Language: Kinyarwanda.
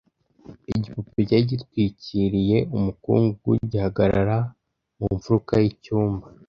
igipupe cyari gitwikiriye umukungugu, gihagarara mu mfuruka y'icyumba